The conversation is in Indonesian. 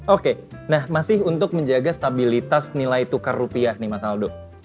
oke nah masih untuk menjaga stabilitas nilai tukar rupiah nih mas aldo